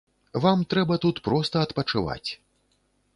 Вам трэба тут проста адпачываць!